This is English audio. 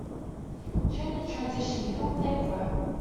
During the transition, who will pay for it?